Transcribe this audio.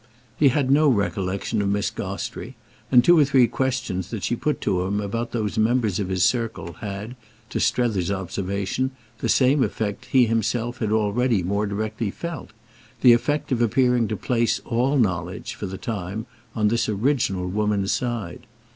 He had no recollection of Miss Gostrey, and two or three questions that she put to him about those members of his circle had, to Strether's observation, the same effect he himself had already more directly felt—the effect of appearing to place all knowledge, for the time, on this original woman's side.